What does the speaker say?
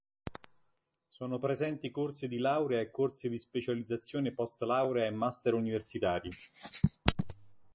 Sono presenti corsi di laurea e corsi di specializzazione post-laurea e master universitari.